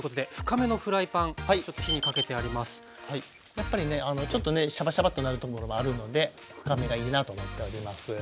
やっぱりねちょっとねシャバシャバッとなるところもあるので深めがいいなと思っております。